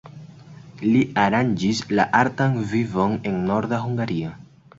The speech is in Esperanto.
Li aranĝis la artan vivon en Norda Hungario.